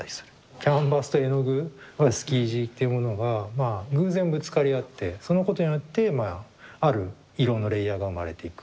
キャンバスと絵の具スキージっていうものが偶然ぶつかり合ってそのことによってある色のレイヤーが生まれていく。